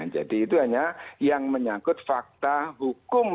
jadi itu hanya yang menyangkut fakta hukum